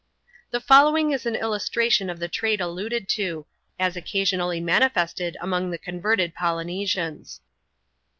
The following is an illustration of the trait alluded to, as occasionally manifested among the converted Polynesians.